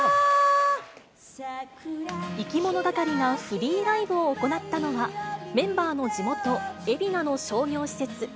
いきものがかりがフリーライブを行ったのは、メンバーの地元、海老名の商業施設。